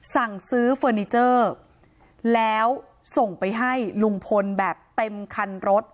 สั่งซื้อเฟอร์นิเจอร์แล้วส่งไปให้ลุงพลแบบเต็มคันรถ